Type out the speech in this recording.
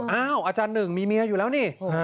อาจารย์หนึ่งมีเมียอยู่แล้วนี่